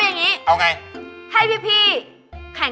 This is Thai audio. มีความรู้สึกว่า